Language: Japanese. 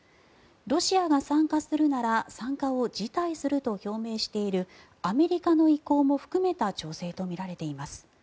ロシアが参加するなら参加を辞退すると表明しているアメリカの意向も含めた調整とみられています。